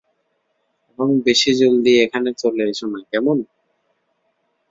এবং বেশি জলদি এখানে চলে এসো না, কেমন?